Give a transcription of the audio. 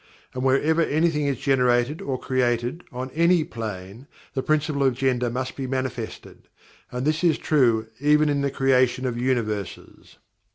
And whenever anything is generated or created, on any plane, the Principle of Gender must be manifested. And this is true even in the creation of Universes.